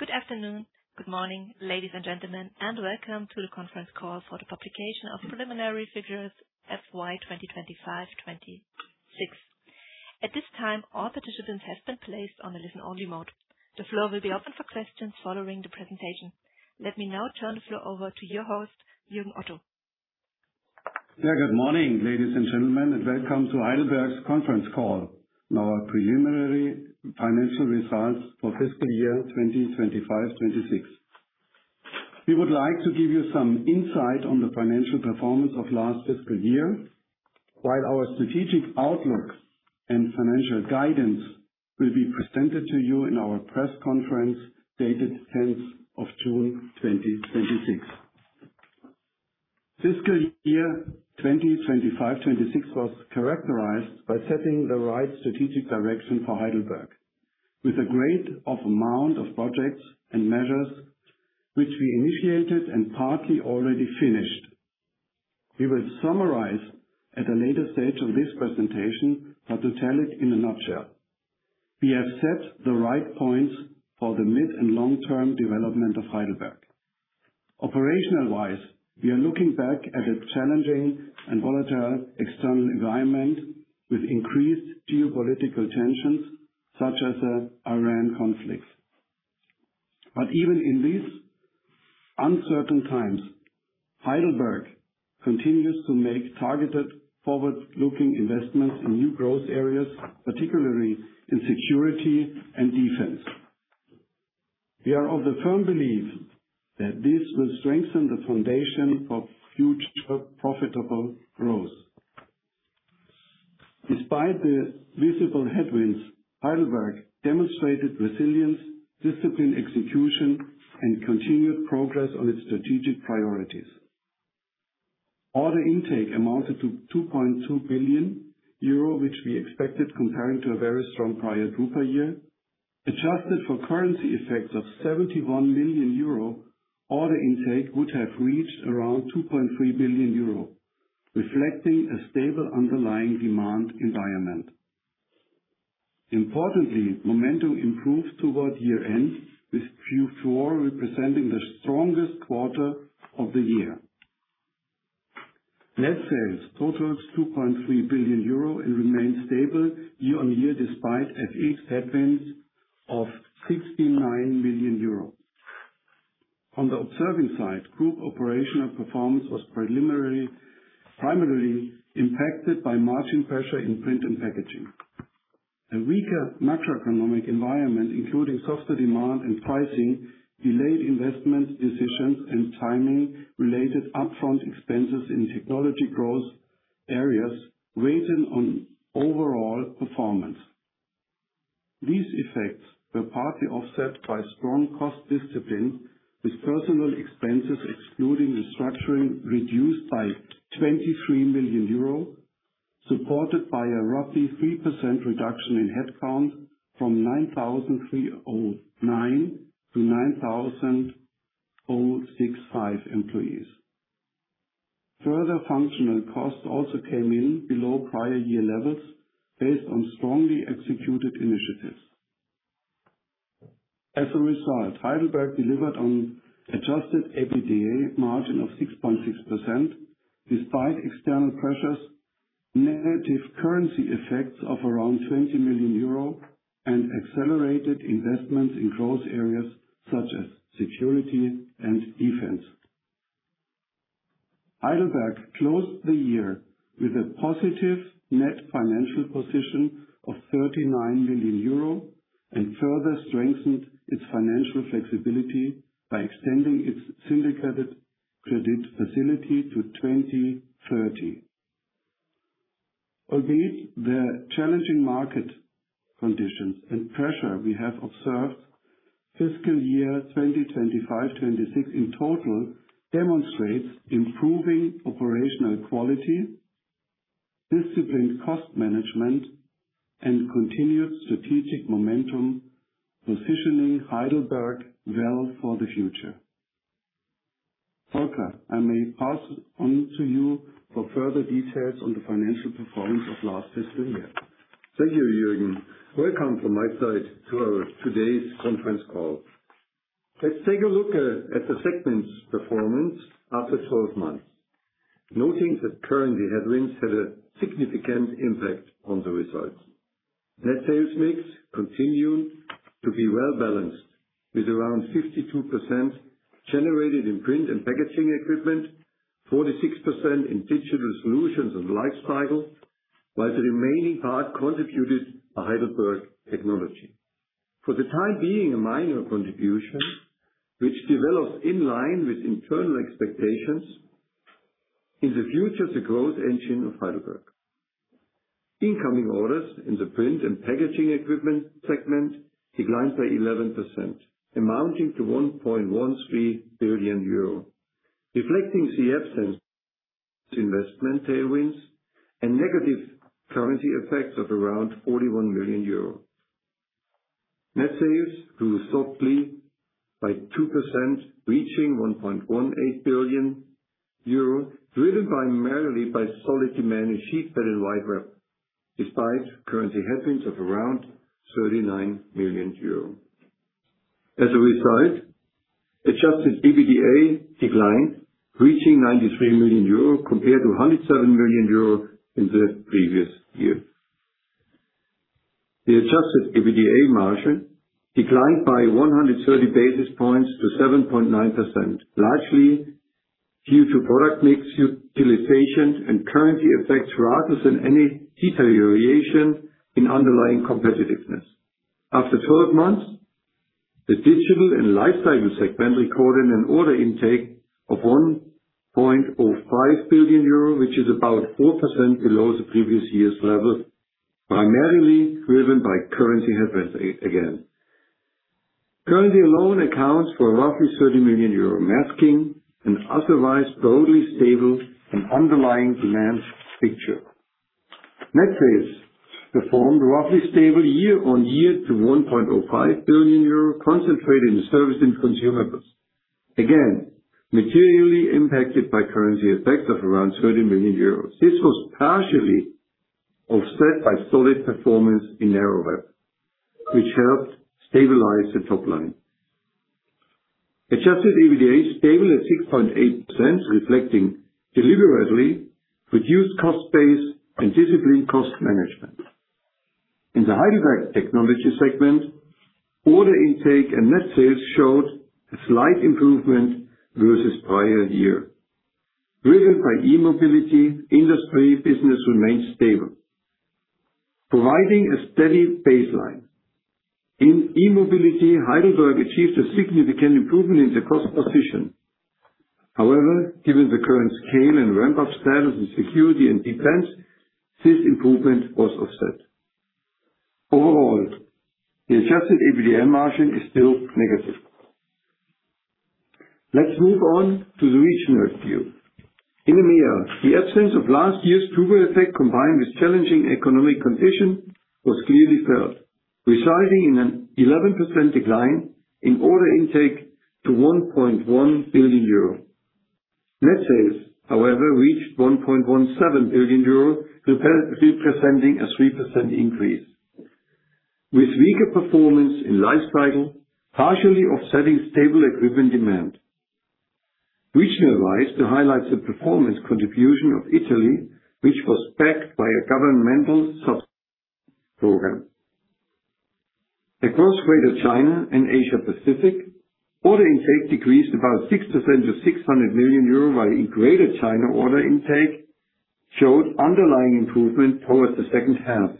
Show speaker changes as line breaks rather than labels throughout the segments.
Good afternoon, good morning, ladies and gentlemen, and welcome to the conference call for the publication of preliminary figures FY 2025/2026. At this time, all participants have been placed in a listen-only mode. The floor will be open for questions following the presentation. Let me now turn the floor over to your host, Jürgen Otto.
Good morning, ladies and gentlemen, and welcome to Heidelberg's conference call, and our preliminary financial results for fiscal year 2025/2026. We would like to give you some insight on the financial performance of last fiscal year, while our strategic outlook and financial guidance will be presented to you in our press conference dated 10th of June 2026. Fiscal year 2025/2026 was characterized by setting the right strategic direction for Heidelberg with a great amount of projects and measures which we initiated and partly already finished. We will summarize at a later stage of this presentation, to tell it in a nutshell, we have set the right points for the mid and long-term development of Heidelberg. Operational-wise, we are looking back at a challenging and volatile external environment with increased geopolitical tensions, such as the Iran conflict. But even in these uncertain times, Heidelberg continues to make targeted forward-looking investments in new growth areas, particularly in security and defense. We are of the firm belief that this will strengthen the foundation for future profitable growth. Despite the visible headwinds, Heidelberg demonstrated resilience, disciplined execution, and continued progress on its strategic priorities. Order intake amounted to 2.2 billion euro, which we expected comparing to a very strong prior group per year. Adjusted for currency effects of 71 million euro, order intake would have reached around 2.3 billion euro, reflecting a stable underlying demand environment. Importantly, momentum improved toward year-end, with Q4 representing the strongest quarter of the year. Net sales totals 2.3 billion euro and remains stable year-on-year, despite FX headwinds of 69 million euro. On the operating side, group operational performance was primarily impacted by margin pressure in Print & Packaging. A weaker macroeconomic environment, including softer demand and pricing, delayed investment decisions, and timing-related upfront expenses in technology growth areas weighed in on overall performance. These effects were partly offset by strong cost discipline, with personnel expenses excluding restructuring reduced by 23 million euro, supported by a roughly 3% reduction in headcount from 9,309 to 9,065 employees. Further, functional costs also came in below prior year levels based on strongly executed initiatives. Heidelberg delivered on adjusted EBITDA margin of 6.6% despite external pressures, negative currency effects of around 20 million euro, and accelerated investments in growth areas such as security and defense. Heidelberg closed the year with a positive net financial position of 39 million euro and further strengthened its financial flexibility by extending its syndicated credit facility to 2030. Albeit the challenging market conditions and pressure we have observed, fiscal year 2025/2026 in total demonstrates improving operational quality, disciplined cost management, and continued strategic momentum, positioning Heidelberg well for the future. Volker, I may pass it on to you for further details on the financial performance of last fiscal year.
Thank you, Jürgen. Welcome from my side to our today's conference call. Let's take a look at the segment's performance after 12 months, noting that current headwinds had a significant impact on the results. Net sales mix continued to be well-balanced, with around 52% generated in Print & Packaging Equipment, 46% in Digital Solutions & Lifecycle, while the remaining part contributed by HEIDELBERG Technology. For the time being, a minor contribution, which develops in line with internal expectations. In the future, the growth engine of Heidelberg. Incoming orders in the Print & Packaging Equipment segment declined by 11%, amounting to 1.13 billion euro, reflecting the absence investment tailwinds and negative currency effects of around 41 million euro. Net sales grew softly by 2%, reaching 1.18 billion euro, driven primarily by solid demand in sheetfed and wide web, despite currency headwinds of around 39 million euro. As a result, adjusted EBITDA declined, reaching 93 million euro compared to 107 million euro in the previous year. The adjusted EBITDA margin declined by 130 basis points to 7.9%, largely due to product mix utilization and currency effects, rather than any deterioration in underlying competitiveness. After 12 months, the Digital & Lifecycle segment recorded an order intake of 1.05 billion euro, which is about 4% below the previous year's level, primarily driven by currency headwinds again. Currency alone accounts for roughly 30 million euro, masking an otherwise broadly stable and underlying demand picture. Net sales performed roughly stable year-on-year to 1.05 billion euro, concentrated in service and consumables. Again, materially impacted by currency effects of around 30 million euros. This was partially offset by solid performance in narrow web, which helped stabilize the top line. Adjusted EBITDA stable at 6.8%, reflecting deliberately reduced cost base and disciplined cost management. In the HEIDELBERG Technology segment, order intake and net sales showed a slight improvement versus prior year. Driven by e-mobility, industry business remained stable, providing a steady baseline. In e-mobility, Heidelberg achieved a significant improvement in the cost position. However, given the current scale and ramp-up status in security and defense, this improvement was offset. Overall, the adjusted EBITDA margin is still negative. Let's move on to the regional view. In EMEA, the absence of last year's drupa effect, combined with challenging economic conditions, was clearly felt, resulting in an 11% decline in order intake to 1.1 billion euro. Net sales, however, reached 1.17 billion euro, representing a 3% increase. With weaker performance in Lifecycle, partially offsetting stable equipment demand. Regionally wise, to highlight the performance contribution of Italy, which was backed by a governmental sub-program. Across Greater China and Asia Pacific, order intake decreased about 6% to 600 million euro, while in Greater China, order intake showed underlying improvement towards the second half,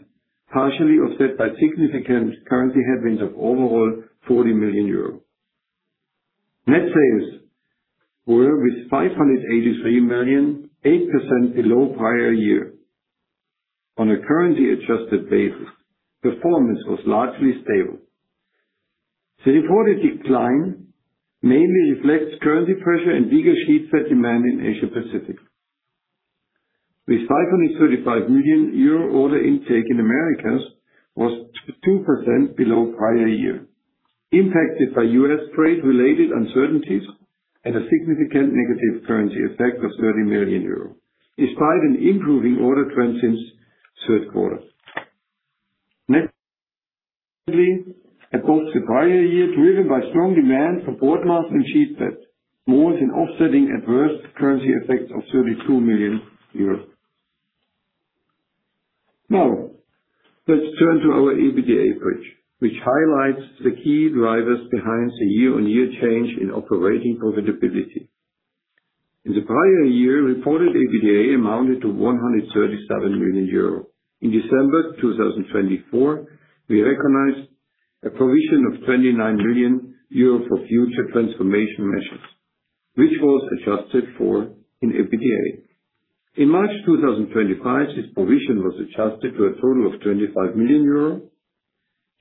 partially offset by significant currency headwinds of overall 40 million euro. Net sales were with 583 million, 8% below prior year. On a currency-adjusted basis, performance was largely stable. The reported decline mainly reflects currency pressure and weaker sheetfed demand in Asia Pacific. With 535 million euro order intake in Americas was 2% below prior year, impacted by U.S. trade-related uncertainties and a significant negative currency effect of 30 million euro, despite an improving order trend since third quarter. Net approached the prior year, driven by strong demand for Boardmaster and sheetfed, more than offsetting adverse currency effects of 32 million euros. Now, let's turn to our EBITDA bridge, which highlights the key drivers behind the year-on-year change in operating profitability. In the prior year, reported EBITDA amounted to 137 million euro. In December 2024, we recognized a provision of 29 million euro for future transformation measures, which was adjusted for in EBITDA. In March 2025, this provision was adjusted to a total of 25 million euro.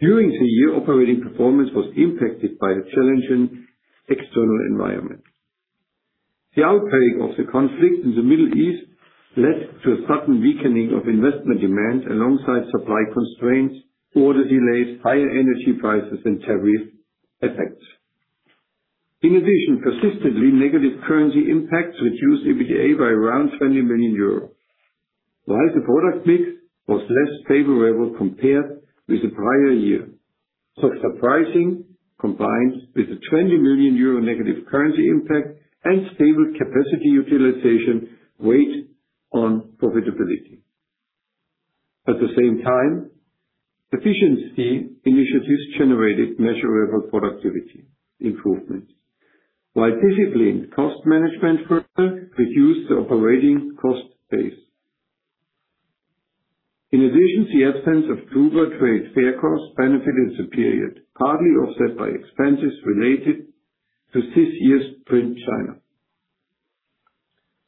During the year, operating performance was impacted by a challenging external environment. The outbreak of the conflict in the Middle East led to a sudden weakening of investment demand alongside supply constraints, order delays, higher energy prices, and tariff effects. In addition, persistently negative currency impacts reduced EBITDA by around 20 million euros, while the product mix was less favorable compared with the prior year. Such pricing, combined with the 20 million euro negative currency impact and stable capacity utilization, weighed on profitability. At the same time, efficiency initiatives generated measurable productivity improvements, while disciplined cost management further reduced the operating cost base. In addition, the absence of drupa trade fair costs benefited the period, partly offset by expenses related to this year's Print China.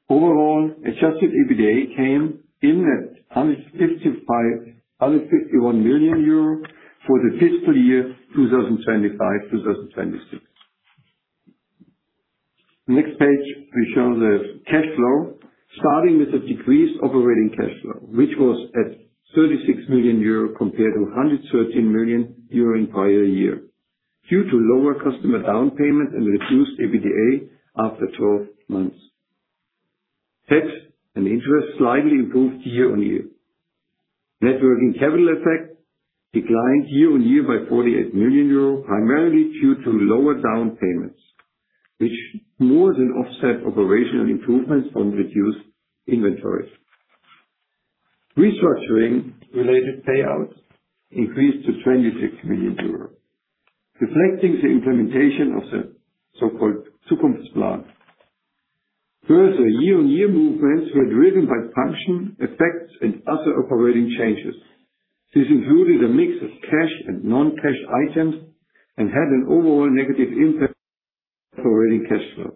Overall, adjusted EBITDA came in at 151 million euro for the fiscal year 2025/2026. Next page, we show the cash flow, starting with a decreased operating cash flow, which was at 36 million euro compared to 113 million in prior year, due to lower customer down payment and reduced EBITDA after 12 months. Tax and interest slightly improved year-on-year. Net working capital effect declined year-on-year by 48 million euros, primarily due to lower down payments, which more than offset operational improvements from reduced inventories. Restructuring-related payouts increased to 26 million euros, reflecting the implementation of the so-called Zukunftsplan. Further, year-on-year movements were driven by pension effects and other operating changes. This included a mix of cash and non-cash items and had an overall negative impact to operating cash flow.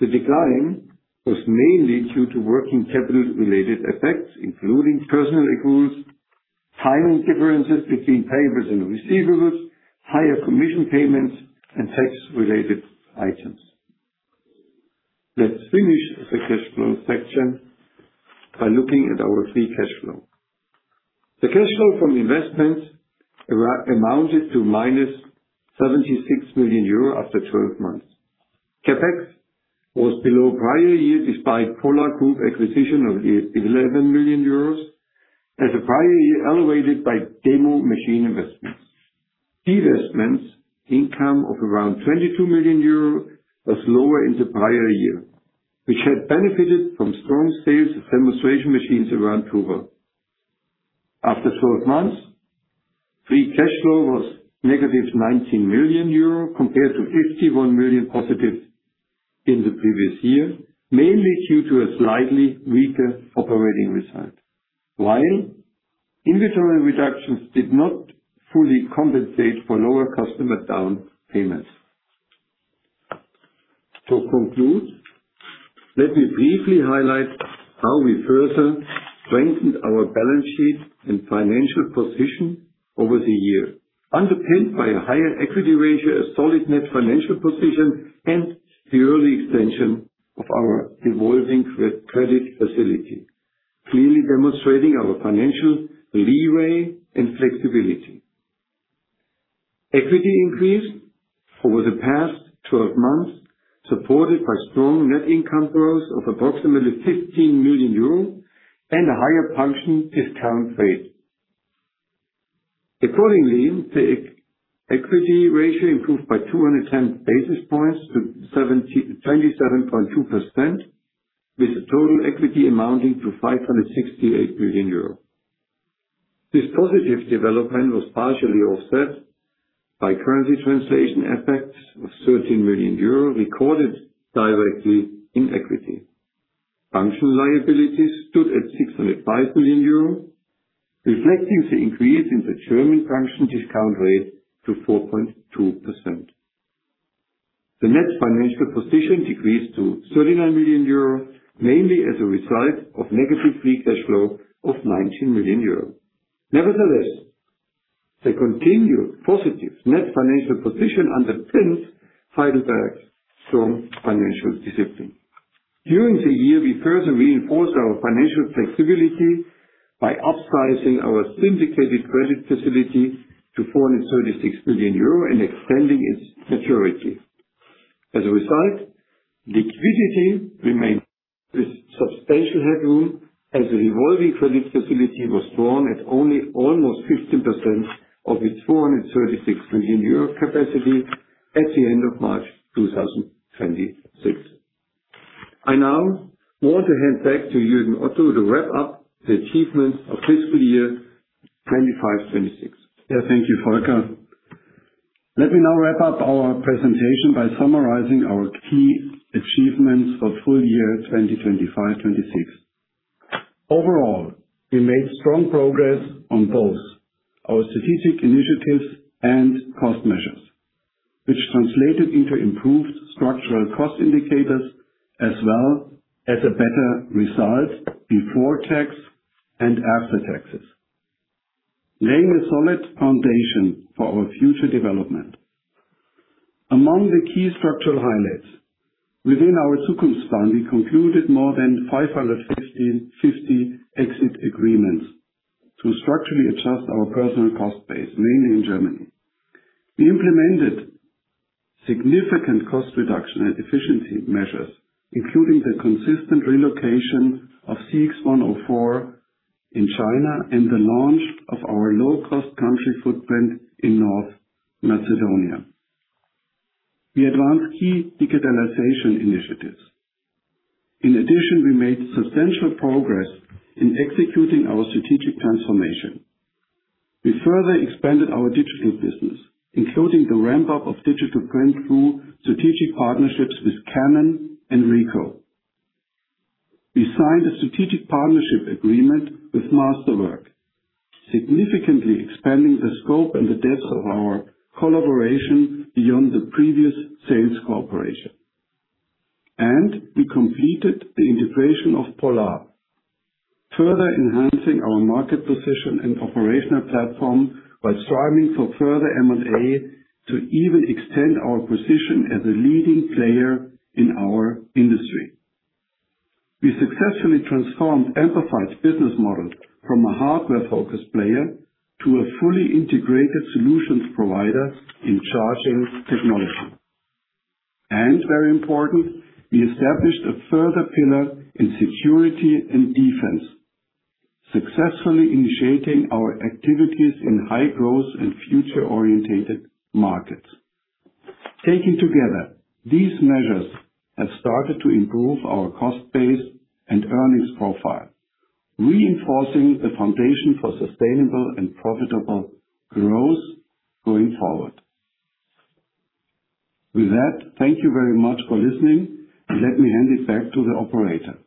The decline was mainly due to working capital-related effects, including personnel accruals, timing differences between payables and receivables, higher commission payments, and tax-related items. Let's finish the cash flow section by looking at our free cash flow. The cash flow from investments amounted to -76 million euro after 12 months. CapEx was below prior year, despite POLAR Group acquisition of the 11 million euros as the prior year elevated by demo machine investments. Divestments income of around 22 million euros was lower in the prior year, which had benefited from strong sales of demonstration machines around drupa. After 12 months, free cash flow was -19 million euro compared to +51 million in the previous year, mainly due to a slightly weaker operating result, while inventory reductions did not fully compensate for lower customer down payments. To conclude, let me briefly highlight how we further strengthened our balance sheet and financial position over the year, underpinned by a higher equity ratio, a solid net financial position, and the early extension of our revolving credit facility, clearly demonstrating our financial leeway and flexibility. Equity increased over the past 12 months, supported by strong net income growth of approximately 15 million euros and a higher pension discount rate. Accordingly, the equity ratio improved by 210 basis points to 27.2% with total equity amounting to 568 million euros. This positive development was partially offset by currency translation effects of 13 million euro recorded directly in equity. Pension liabilities stood at 605 million euros, reflecting the increase in the German pension discount rate to 4.2%. The net financial position decreased to 39 million euro, mainly as a result of negative free cash flow of 19 million euro. Nevertheless, the continued positive net financial position underpins Heidelberg's strong financial discipline. During the year, we further reinforced our financial flexibility by upsizing our syndicated credit facility to 436 million euro and extending its maturity. As a result, liquidity remains with substantial headroom as the revolving credit facility was drawn at only almost 15% of its 436 million euro capacity at the end of March 2026. I now want to hand back to Jürgen Otto to wrap up the achievements of fiscal year 2025/2026.
Thank you, Volker. Let me now wrap up our presentation by summarizing our key achievements for full year 2025/2026. Overall, we made strong progress on both our strategic initiatives and cost measures, which translated into improved structural cost indicators as well as a better result before tax and after taxes, laying a solid foundation for our future development. Among the key structural highlights within our Zukunftsplan, we concluded more than 550 exit agreements to structurally adjust our personnel cost base, mainly in Germany. We implemented significant cost reduction and efficiency measures, including the consistent relocation of CX 104 in China and the launch of our low-cost country footprint in North Macedonia. We advanced key digitalization initiatives. In addition, we made substantial progress in executing our strategic transformation. We further expanded our digital business, including the ramp-up of digital print through strategic partnerships with Canon and Ricoh. We signed a strategic partnership agreement with Masterwork, significantly expanding the scope and the depth of our collaboration beyond the previous sales cooperation. And we completed the integration of POLAR, further enhancing our market position and operational platform while striving for further M&A to even extend our position as a leading player in our industry. We successfully transformed Amperfied's business model from a hardware-focused player to a fully integrated solutions provider in charging technology. And very important, we established a further pillar in security and defense, successfully initiating our activities in high growth and future-orientated markets. Taken together, these measures have started to improve our cost base and earnings profile, reinforcing the foundation for sustainable and profitable growth going forward. With that, thank you very much for listening. Let me hand it back to the operator.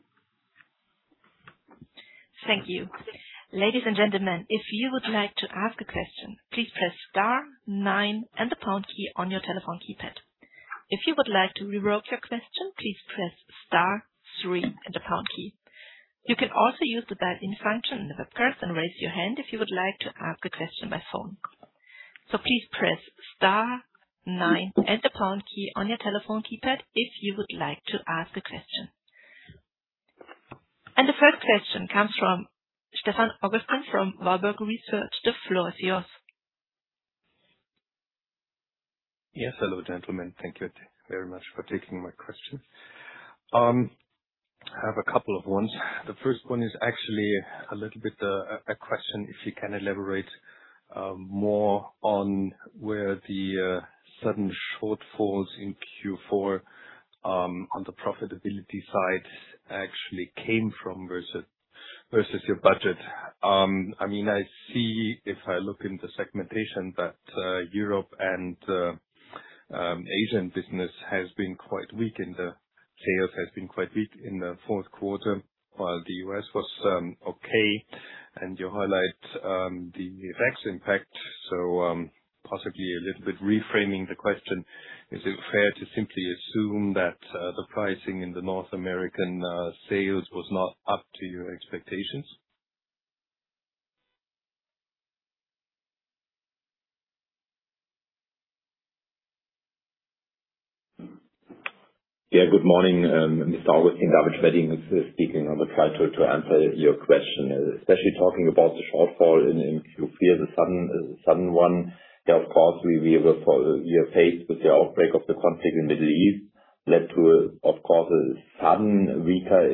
Thank you. Ladies and gentlemen, if you would like to ask a question, please press star nine and the pound key on your telephone keypad. If you would like to revoke your question, please press star three and the pound key. You can also use the dial-in function in the webcast and raise your hand if you would like to ask a question by phone. So, please press star nine and the pound key on your telephone keypad if you would like to ask a question. The first question comes from Stefan Augustin from Warburg Research. The floor is yours.
Yes. Hello, gentlemen. Thank you very much for taking my question. I have a couple of ones. The first one is actually a little bit a question if you can elaborate more on where the sudden shortfalls in Q4 on the profitability side actually came from versus your budget. I mean, I see if I look in the segmentation that Europe and Asian business has been quite weak and the sales has been quite weak in the fourth quarter while the U.S. was okay. You highlight the FX impact, so possibly, a little bit reframing the question, is it fair to simply assume that the pricing in the North American sales was not up to your expectations?
Good morning. Mr. Augustin, David Schmedding speaking. I will try to answer your question. Especially talking about the shortfall in Q4 is a sudden one. Of course, we are faced with the outbreak of the conflict in Middle East, led to, of course, a sudden weaker,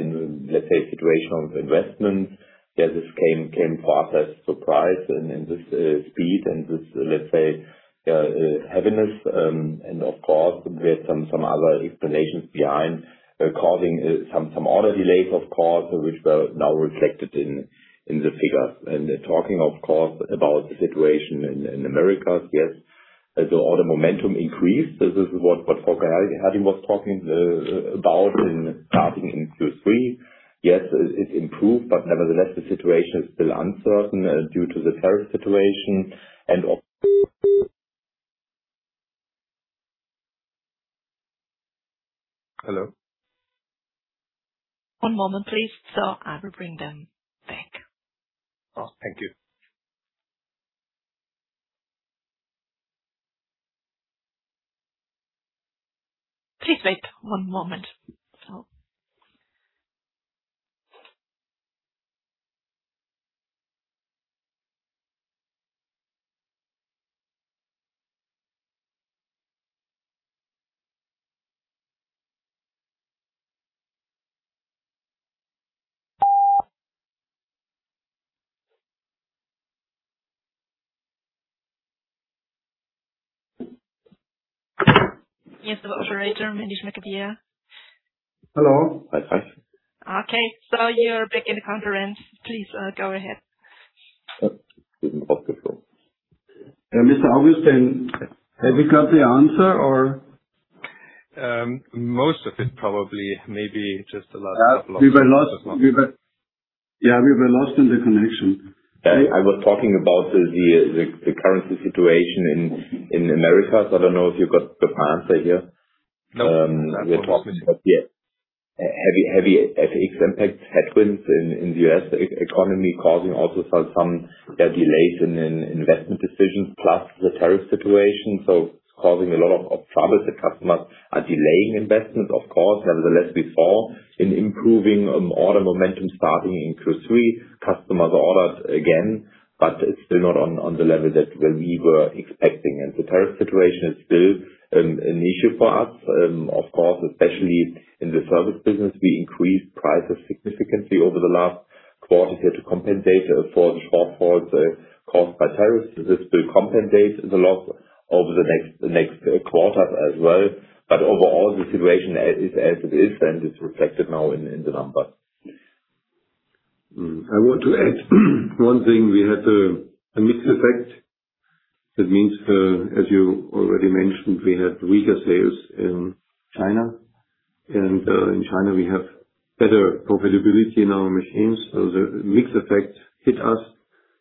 let's say, situation of investment. Yes, this came for us as surprise and this speed and this, let's say, heaviness. Of course, there are some other explanations behind causing some other delays, of course, which were now reflected in the figures. Talking, of course, about the situation in Americas, yes, the order momentum increased. This is what Volker Herdin was talking about starting in Q3. Yes, it improved. Nevertheless, the situation is still uncertain, due to the tariff situation.
Hello?
One moment please. I will bring them back.
Oh, thank you.
Please wait one moment. Yes, the operator.
Hello.
Hi. Hi.
Okay. You're back in the conference. Please go ahead.
Mr. Augustin, have we got the answer or?
Most of it probably. Maybe.
We were lost. We were, yeah, we were lost in the connection.
I was talking about the currency situation in Americas. I don't know if you got the answer here.
No.
We are talking about the heavy FX impact headwinds in the U.S. economy causing also some delays in investment decisions, plus the tariff situation. It's causing a lot of troubles. The customers are delaying investments. Of course, nevertheless, we saw an improving order momentum starting in Q3. Customers ordered again, but it's still not on the level that we were expecting. The tariff situation is still an issue for us. Of course, especially in the service business, we increased prices significantly over the last quarter here to compensate for the shortfalls caused by tariffs. This will compensate the loss over the next quarters as well. Overall, the situation as it is, and it's reflected now in the numbers.
I want to add one thing. We had a mix effect. As you already mentioned, we had weaker sales in China. In China, we have better profitability in our machines. The mix effect hit us.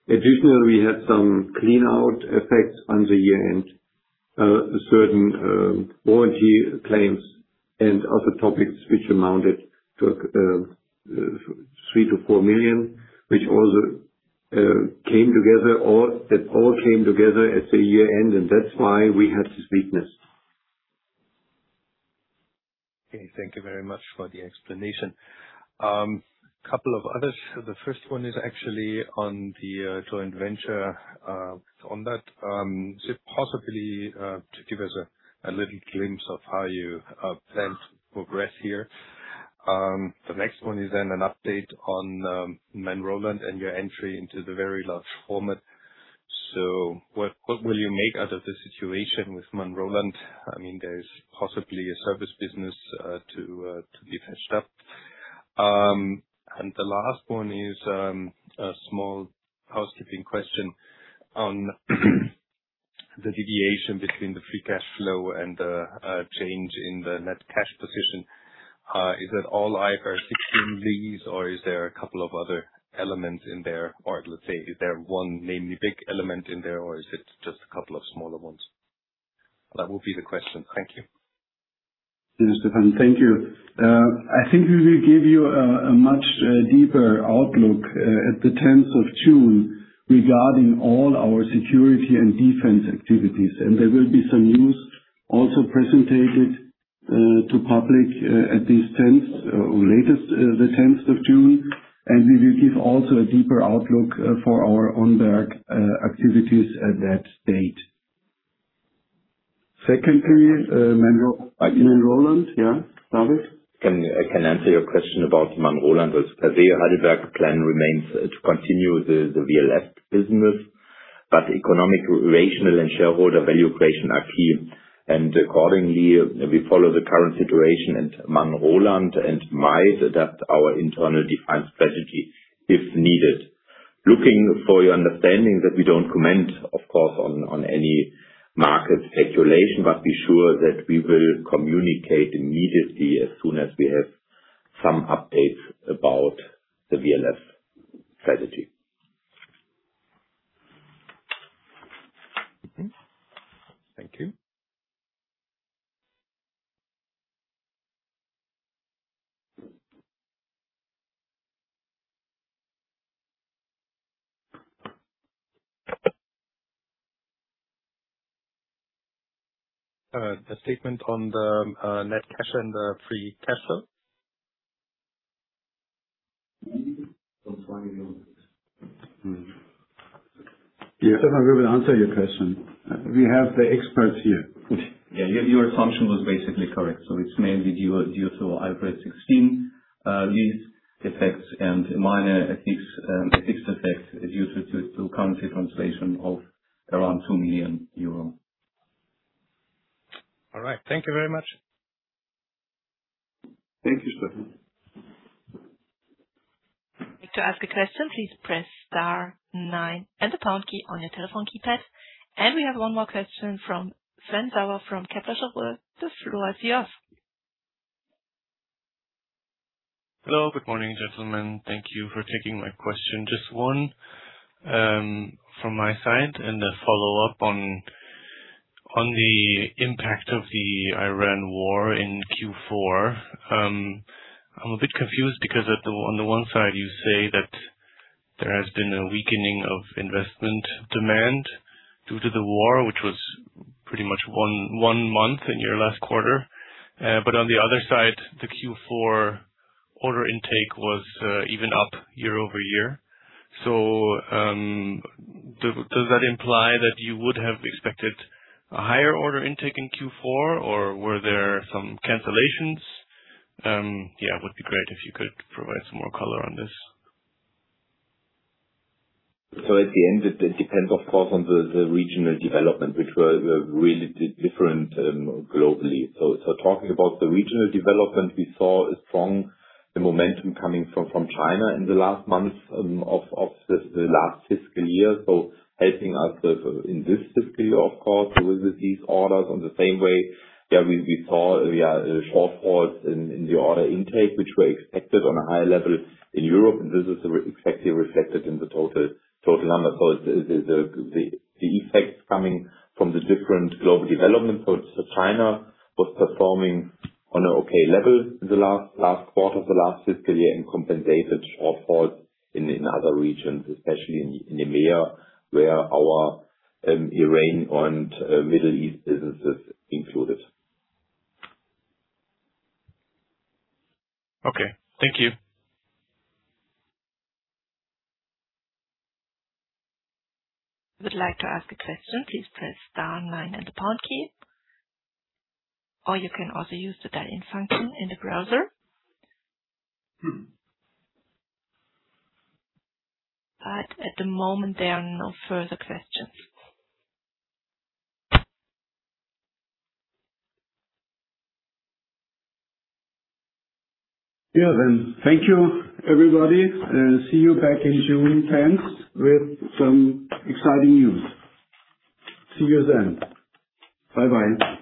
Additionally, we had some clean out effects on the year-end. Certain warranty claims and other topics which amounted to 3 million-4 million, which also came together, it all came together at the year-end, and that's why we had this weakness.
Okay, thank you very much for the explanation. Couple of others. The first one is actually on the joint venture. On that, is it possibly to give us a little glimpse of how you plan to progress here? The next one is then an update on Manroland and your entry into the very large format. What will you make out of the situation with Manroland? I mean, there is possibly a service business to be finished up. The last one is a small housekeeping question on the deviation between the free cash flow and the change in the net cash position. Is it all IFRS 16 lease or is there a couple of other elements in there? Let's say, is there one mainly big element in there or is it just a couple of smaller ones? That would be the question. Thank you.
Yes, Stefan. Thank you. I think we will give you a much deeper outlook at the 10th of June regarding all our security and defense activities. There will be some news also presented to public at this 10th or latest the 10th of June. We will give also a deeper outlook for our own back activities at that date. Secondly, Manroland, yeah. Thomas?
Can I answer your question about Manroland? As per the Heidelberg plan remains to continue the VLF business. But economic relation and shareholder value creation are key. Accordingly, we follow the current situation at Manroland and might adapt our internal defense strategy if needed. Looking for your understanding that we don't comment, of course, on any market speculation, but be sure that we will communicate immediately as soon as we have some updates about the VLF strategy.
Okay. Thank you. The statement on the net cash and the free cash flow?
Yeah. Stefan, we will answer your question. We have the experts here.
Yeah, your assumption was basically correct. It's mainly due to IFRS 16 lease effects and minor FX effects due to currency translation of around 2 million euro.
All right. Thank you very much.
Thank you, Stefan.
We have one more question from Sven Sauer from Kepler Cheuvreux. The floor is yours.
Hello. Good morning, gentlemen. Thank you for taking my question. Just one from my side and a follow-up on the impact of the Iran war in Q4. I'm a bit confused because on the one side you say that there has been a weakening of investment demand due to the war, which was pretty much one month in your last quarter. On the other side, the Q4 order intake was even up year-over-year. Does that imply that you would have expected a higher order intake in Q4, or were there some cancellations? Yeah, would be great if you could provide some more color on this.
At the end, it depends of course on the regional development which were really different globally. Talking about the regional development, we saw a strong momentum coming from China in the last months of the last fiscal year, so, helping us in this fiscal year of course with these orders on the same way. Yeah, we saw we are shortfalls in the order intake which were expected on a high level in Europe, and this is exactly reflected in the total number. The effects coming from the different global development. China was performing on an OK level the last quarter of the last fiscal year and compensated for falls in other regions, especially in EMEA where our Iran and Middle East businesses included.
Okay. Thank you.
If you would like to ask a question, please press star nine and the pound key, or you can also use the dial-in function in the browser. At the moment, there are no further questions.
Yeah. Thank you, everybody, and see you back on June 10th with some exciting news. See you then. Bye-bye.